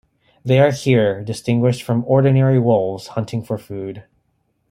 They are here distinguished from "ordinary wolves, hunting for food".